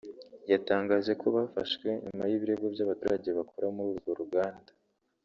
yatangaje ko bafashwe nyuma y’ibirego by’abaturage bakora muri urwo ruganda